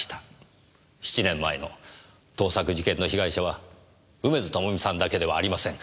７年前の盗作事件の被害者は梅津朋美さんだけではありません。